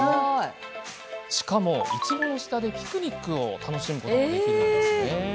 しかも、いちごの下でピクニックを楽しむこともできるんです。